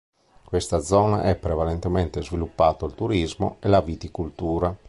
In questa zona è prevalentemente sviluppato il turismo e la viticoltura.